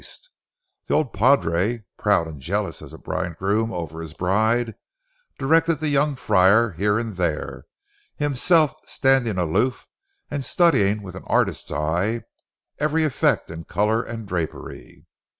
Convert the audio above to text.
The old padre, proud and jealous as a bridegroom over his bride, directed the young friar here and there, himself standing aloof and studying with an artist's eye every effect in color and drapery.